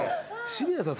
渋谷さん